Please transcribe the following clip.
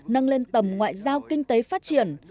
nâng lên tầm ngoại giao kinh tế phát triển